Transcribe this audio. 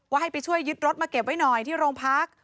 ให้ไปช่วยยึดรถมาเก็บไว้หน่อยที่โรงพัก